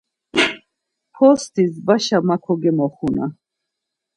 Postis vaşa ma kogemoxuna!